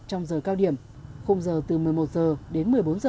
trong giờ cao điểm không giờ từ một mươi một h đến một mươi bốn h